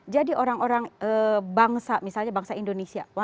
jadi orang orang bangsa misalnya bangsa indonesia